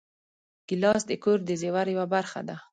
ګیلاس د کور د زېور یوه برخه ده.